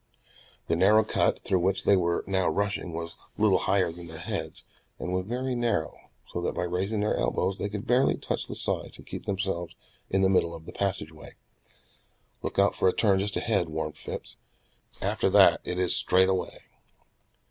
The narrow cut through which they were now rushing was little higher than their heads, and was very narrow, so that by raising their elbows they could barely touch the sides and keep themselves in the middle of the passage way. "Look out for a turn just ahead," warned Phipps. "After that it is straight away."